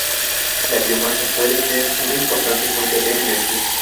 La biomasa puede ser una importante fuente de energía.